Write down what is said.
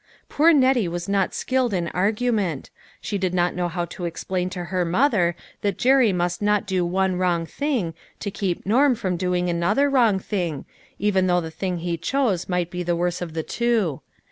Poor Nettie was not skilled in argument ; she did not know how to explain to her mother that Jerry must not do one wrong thing, to keep Norm from doing another wrong thing, even though the thing he chose might be the worse of the two.